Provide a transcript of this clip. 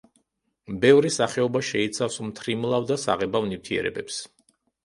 ბევრი სახეობა შეიცავს მთრიმლავ და საღებავ ნივთიერებებს.